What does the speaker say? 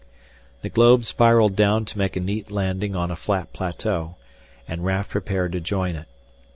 The globe spiraled down to make a neat landing on a flat plateau, and Raf prepared to join it.